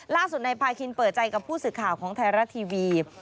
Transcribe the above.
ล่าสุดนายพาคินเปิดใจกับผู้สื่อข่าวของไทยรัฐทีวี